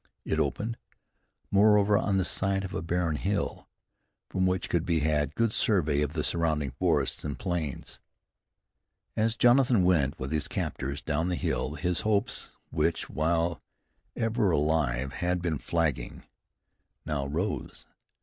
It opened, moreover, on the side of a barren hill, from which could be had a good survey of the surrounding forests and plains. As Jonathan went with his captors down the hill his hopes, which while ever alive, had been flagging, now rose.